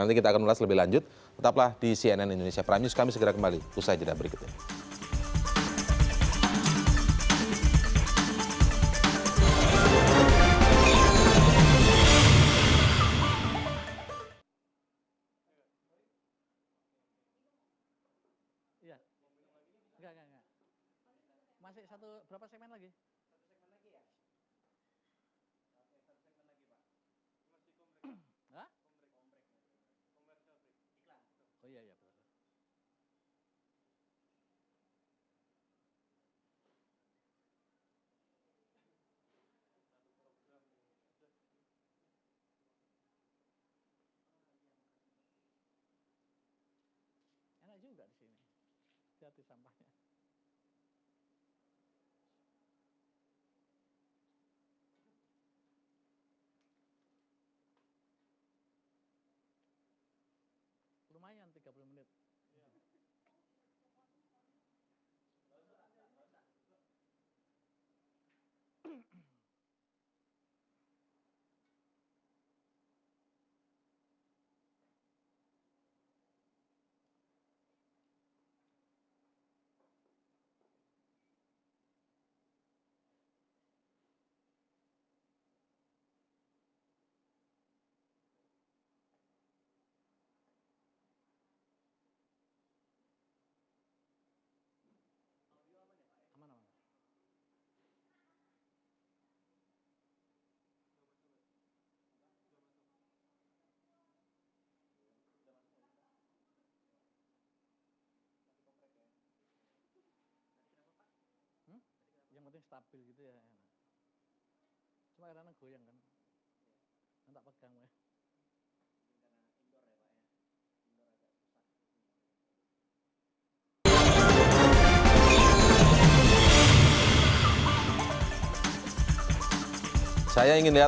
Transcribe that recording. nanti kita akan ulas lebih lanjut tetaplah di cnn indonesia prime news kami segera kembali usai jeda berikutnya